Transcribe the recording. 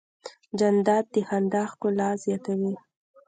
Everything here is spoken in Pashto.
جانداد د خندا ښکلا زیاتوي.